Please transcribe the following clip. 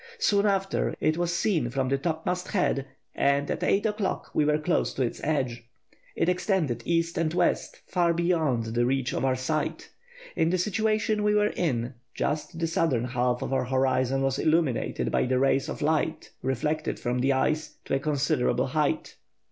Soon after, it was seen from the topmast head, and at eight o'clock we were close to its edge. It extended east and west, far beyond the reach of our sight. In the situation we were in, just the southern half of our horizon was illuminated by the rays of light, reflected from the ice, to a considerable height.